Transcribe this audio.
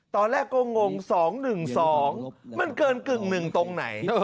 ตอนแรกเขางง๒๑๒มันเกิน๑๕ตรงไหน